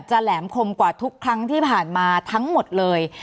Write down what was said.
แหลมคมกว่าทุกครั้งที่ผ่านมาทั้งหมดเลย